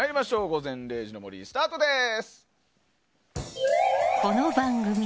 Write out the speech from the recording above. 「午前０時の森」スタートです。